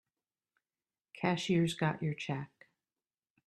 Cashier's got your check.